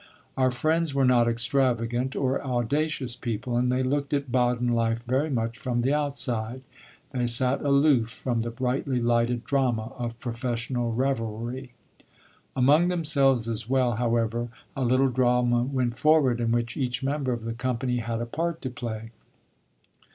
Our friends were not extravagant or audacious people, and they looked at Baden life very much from the outside they sat aloof from the brightly lighted drama of professional revelry. Among themselves as well, however, a little drama went forward in which each member of the company had a part to play.